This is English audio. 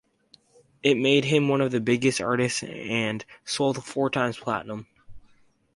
It made him one of the biggest artists, and sold four times platinum.